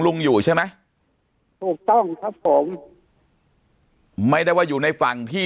ลุงอยู่ใช่ไหมถูกต้องครับผมไม่ได้ว่าอยู่ในฝั่งที่